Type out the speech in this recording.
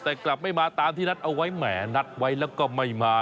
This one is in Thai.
แต่กลับไม่มาตามที่นัดเอาไว้แหมนัดไว้แล้วก็ไม่มา